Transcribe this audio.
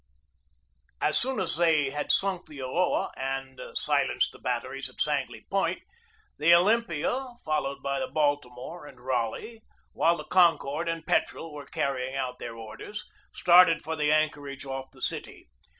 As soon as we had sunk the Ulloa and silenced the batteries at Sangley Point, the Olympia y fol lowed by the Baltimore and Raleigh, while the Con cord and Petrel were carrying out their orders, started for the anchorage off the city.